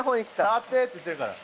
触ってって言ってるから。